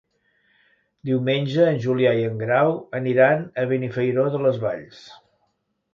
Diumenge en Julià i en Grau aniran a Benifairó de les Valls.